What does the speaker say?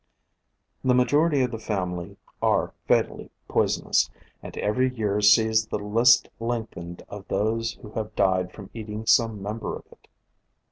The majority of the family are fatally poisonous, and every year sees the list lengthened of those who have died from eating some member of it.